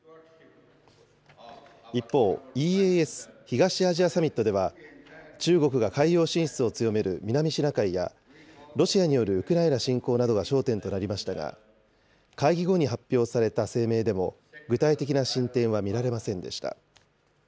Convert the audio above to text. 一方、ＥＡＳ・東アジアサミットでは、中国が海洋進出を強める南シナ海や、ロシアによるウクライナ侵攻などが焦点となりましたが、会議後に発表された声明でも具体的な進展は見られませんでした。